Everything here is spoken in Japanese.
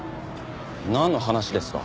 なんの話ですか？